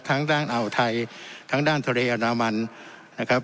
ทั้งด้านอ่าวไทยทั้งด้านทะเลอันดามันนะครับ